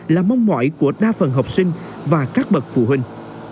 là mong mỏi của đa phần học sinh và các bậc phụ huynh